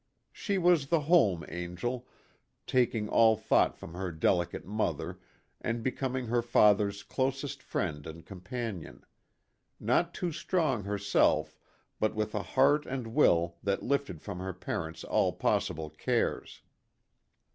She was the home angel, taking all thought from her delicate mother, and becoming her father's closest friend and com panion not too strong herself but with a heart and will that lifted from her parents all possible cares.